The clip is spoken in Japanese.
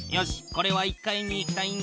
これは１階に行きたいんだな。